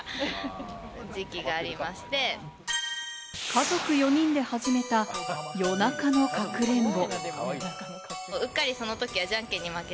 家族４人で始めた夜中のかくれんぼ。